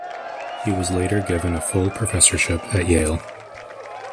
He was later given a full professorship at Yale.